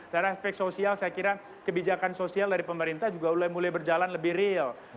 karena aspek sosial saya kira kebijakan sosial dari pemerintah juga mulai berjalan lebih real